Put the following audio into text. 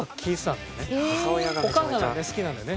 お母さんが好きなんだよね？